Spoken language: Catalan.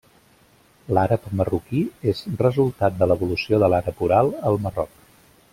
L'àrab marroquí és resultat de l'evolució de l'àrab oral al Marroc.